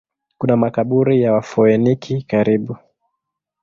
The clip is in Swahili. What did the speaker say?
Kuna makaburi ya Wafoeniki karibu.